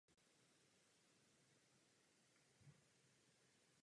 Vedla odtud lanovka na uhlí až na nádraží do nedalekého Chodova.